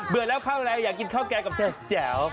เบื่อแล้วข้าวอะไรอยากกินข้าวแกล้งกับเธอแจ๋ว